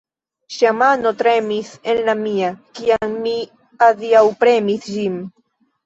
Ŝia mano tremis en la mia, kiam mi adiaŭpremis ĝin!